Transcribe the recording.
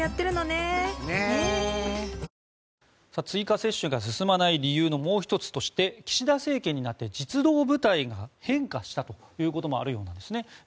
追加接種が進まない理由のもう１つとして岸田政権になって実動部隊が変化したということもあるようなんです。